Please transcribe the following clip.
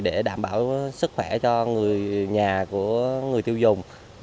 để đảm bảo sức khỏe cho nhà của người tiêu dùng